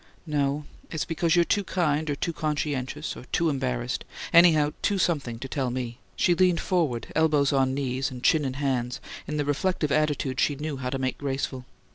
"No. It's because you're too kind, or too conscientious, or too embarrassed anyhow too something to tell me." She leaned forward, elbows on knees and chin in hands, in the reflective attitude she knew how to make graceful.